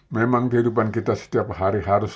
memang kehidupan kita setiap hari harus